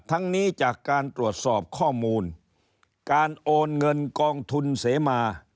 ทั้งนี้จากการตรวจสอบข้อมูลการโอนเงินกองทุนเสมา